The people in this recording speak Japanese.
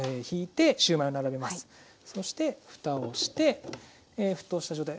そして蓋をして沸騰した状態。